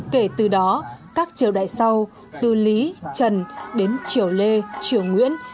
kể từ đó các triều đại sau từ lý trần đến triều lê triều nguyễn